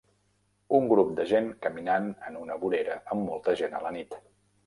Un grup de gent caminant en una vorera amb molta gent a la nit.